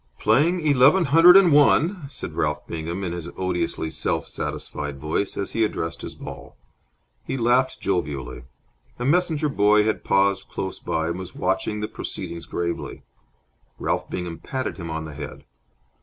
"Playing eleven hundred and one," said Ralph Bingham, in his odiously self satisfied voice, as he addressed his ball. He laughed jovially. A messenger boy had paused close by and was watching the proceedings gravely. Ralph Bingham patted him on the head.